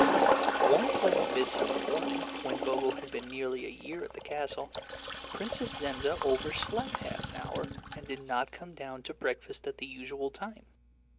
One pleasant mid summer morning, when Bobo had been nearly a year at the castle, Princess Zenza overslept half an hour and did not come down to breakfast at the usual time.